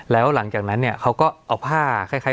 แล้วหลังจากนั้นเนี่ยเขาก็เอาผ้าคล้าย